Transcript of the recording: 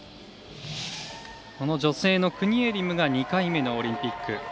この女性のクニエリムが２回目のオリンピック。